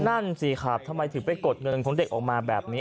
นั่นสิครับทำไมถึงไปกดเงินของเด็กออกมาแบบนี้